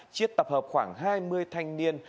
chiết tập hợp khoảng hai mươi thanh niên